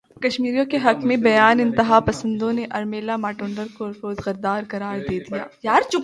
کشمیریوں کے حق میں بیان انتہا پسندوں نے ارمیلا ماٹونڈکر کو غدار قرار دے دیا